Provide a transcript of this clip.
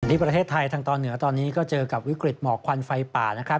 ประเทศไทยทางตอนเหนือตอนนี้ก็เจอกับวิกฤตหมอกควันไฟป่านะครับ